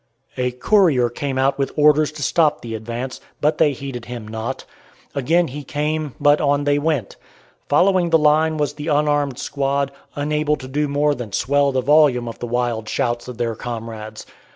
A courier came out with orders to stop the advance, but they heeded him not. Again he came, but on they went. Following the line was the unarmed squad, unable to do more than swell the volume of the wild shouts of their comrades.